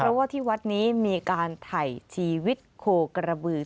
เพราะว่าที่วัดนี้มีการถ่ายชีวิตโคกระบือ